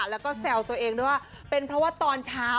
แล้วก็แซวตัวเองด้วยว่าเป็นเพราะว่าตอนเช้า